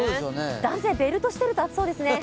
男性、ベルトをしていると暑そうですね。